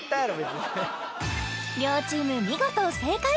両チーム見事正解！